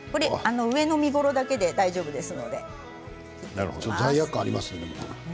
上の身ごろだけででも罪悪感ありますね。